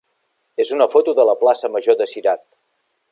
és una foto de la plaça major de Cirat.